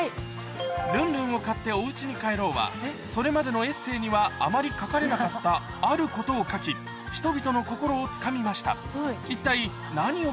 ルンルンを買っておうちに帰ろうは、それまでのエッセーにはあまり書かれなかった、あることを書き、人々の心をつかみました。